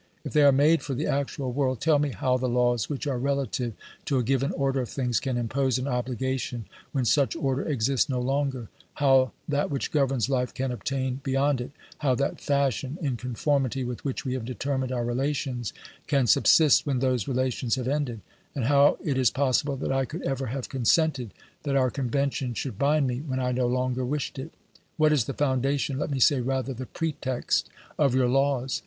If they are made for the actual world, tell me how the laws which are relative to a given order of things can impose an obligation when such order exists no longer; how that which governs life can obtain beyond it; how that fashion, in conformity with which we have determined our relations, can subsist when those relations have ended ; and how it is possible that I could ever have consented that our conventions should bind me when I no longer OBERMANN 149 wished it. What is the foundation, let me say rather, the pretext of your laws?